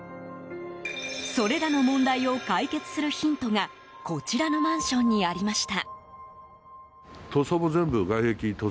それらの問題を解決するヒントがこちらのマンションにありました。